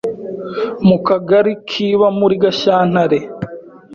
Mu Kagari kiba muri Gashyantare